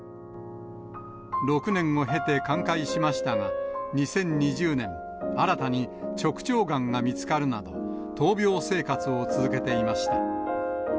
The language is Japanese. ６年を経て寛解しましたが、２０２０年、新たに直腸がんが見つかるなど、闘病生活を続けていました。